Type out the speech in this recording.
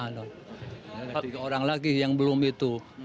tiga orang lagi yang belum itu